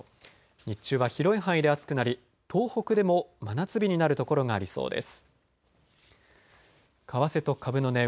日中は広い範囲で暑くなり東北でも真夏日になる所がありそうです。